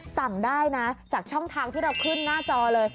สั่งได้นะจากช่องทางที่เราขึ้นหน้าจอเลย